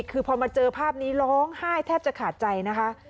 คือพอมาเจอภาพนี้ร้องไห้แทบจะขาดใจนะคะ